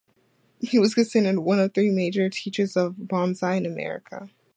He was considered one of three major teachers of bonsai in America.